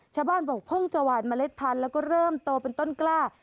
ชาวบ้านบอกเพิ่งจะหวานเมล็ดพันธุ์แล้วก็เริ่มโตเป็นต้นกล้า